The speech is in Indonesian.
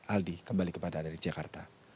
aldi kembali kepada dari jakarta